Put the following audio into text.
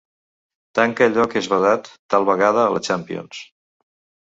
Tanca allò que és badat, tal vegada a la Champion's.